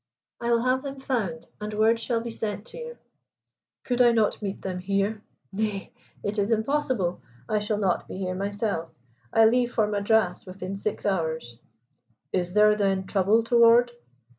"I will have them found, and word shall be sent to you." "Could I not meet them here?" "Nay, it is impossible. I shall not be here myself. I leave for Madras within six hours." "Is there, then, trouble toward?"